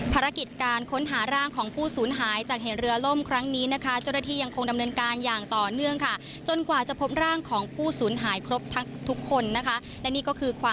ภารกิจการค้นหาร่างของผู้สูญหายจากเหตุเรือล่มครั้งนี้นะคะ